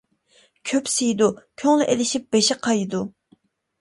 كۆپ سىيىدۇ، كۆڭلى ئېلىشىپ، بېشى قايىدۇ.